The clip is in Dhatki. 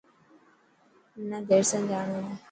منا دير سان جاڻو هي.